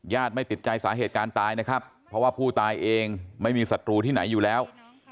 ไม่ติดใจสาเหตุการณ์ตายนะครับเพราะว่าผู้ตายเองไม่มีศัตรูที่ไหนอยู่แล้ว